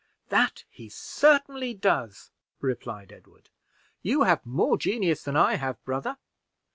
"That he certainly does," replied Edward. "You have more genius than I have, brother.